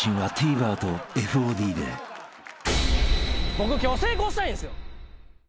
僕今日成功したいんすよ。